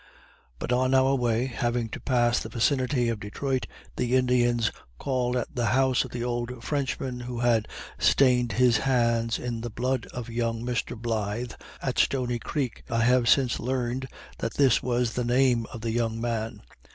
But on our way, having to pass the vicinity of Detroit, the Indians called at the house of the old Frenchman who had stained his hands in the blood of young Mr. Blythe, at Stony creek (I have since learned that this was the name of the young man.)